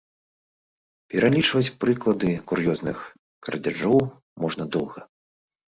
Пералічваць прыклады кур'ёзных крадзяжоў можна доўга.